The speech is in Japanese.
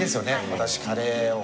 私カレーを。